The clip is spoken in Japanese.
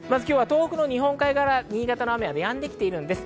東北、日本海側から新潟の雨はやんできています。